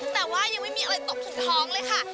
แต่ว่ายังไม่มีอะไรตกถึงท้องเลยค่ะ